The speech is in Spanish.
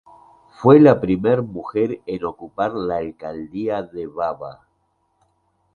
Fue la primera mujer en ocupar la alcaldía de Baba.